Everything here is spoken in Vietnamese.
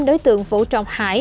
đối tượng vũ trọng hải